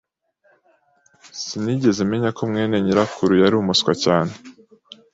Sinigeze menya ko mwene nyirakuru yari umuswa cyane.